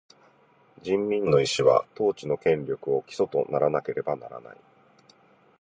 人民の意思は、統治の権力を基礎とならなければならない。